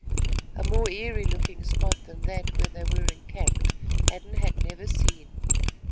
A more eerie looking spot than that where they were encamped Hadden had never seen.